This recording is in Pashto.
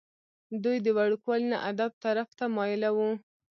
دوي د وړوکوالي نه ادب طرف ته مائله وو ۔